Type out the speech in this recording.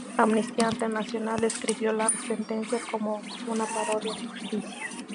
Amnistía Internacional describió la sentencia como una "parodia de justicia.